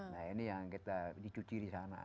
nah ini yang kita dicuci di sana